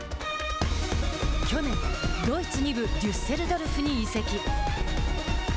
去年、ドイツ２部デュッセルドルフに移籍。